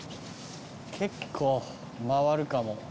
結構回るかも。